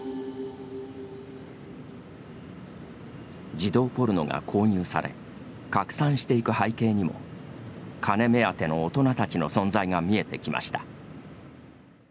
児童ポルノが購入され拡散していく背景にもカネ目当ての大人たちの存在が見えてきました。